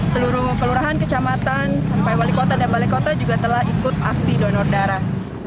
seluruh kelurahan kecamatan sampai wali kota dan balai kota juga telah ikut aksi donor darah